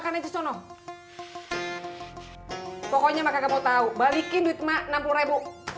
kok ini maka kau tahu balikin duit mak rp enam puluh